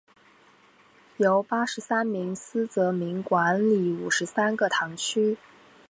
由八十三名司铎名管理五十三个堂区。